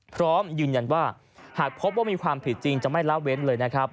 พร้อมยืนยันว่าหากพบว่ามีความผิดจริงจะไม่ละเว้นเลยนะครับ